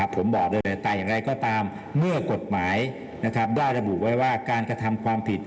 ผมบอกได้เลยแต่อย่างไรก็ตามเมื่อกฎหมายได้ระบุไว้ว่าการกระทำความผิด